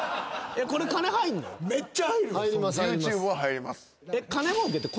ＹｏｕＴｕｂｅは入ります。